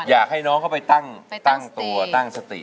อยากให้น้องเขาไปตั้งตัวตั้งสติ